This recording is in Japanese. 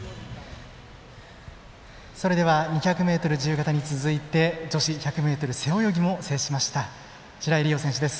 それでは２００ｍ自由形に加えて女子１００ｍ背泳ぎも制しました白井選手です。